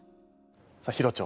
さあヒロチョ。